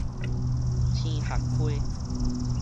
菁礐溪